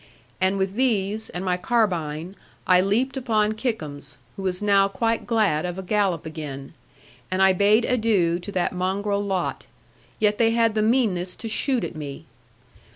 And with these, and my carbine, I leaped upon Kickums, who was now quite glad of a gallop again; and I bade adieu to that mongrel lot; yet they had the meanness to shoot at me.